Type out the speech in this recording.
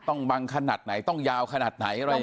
ต้องบังขนาดไหนต้องยาวขนาดไหนอะไรยังไง